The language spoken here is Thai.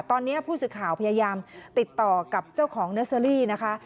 ตอนนี้ผู้สื่อข่าวพยายามติดต่อกับเจ้าของเนอร์เซอรี่นะคะ